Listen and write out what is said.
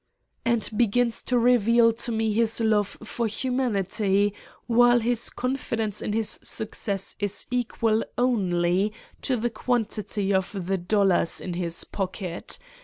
" "And begins to reveal to me his love for hu manity, while his confidence in his success is equal only to the quantity of the dollars in his pocket?